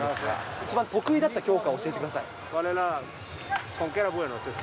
一番得意だった教科を教えてください。